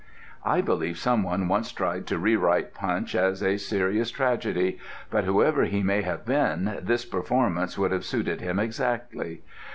I believe someone once tried to re write Punch as a serious tragedy; but whoever he may have been, this performance would have suited him exactly.